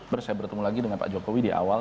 terus saya bertemu lagi dengan pak jokowi di awal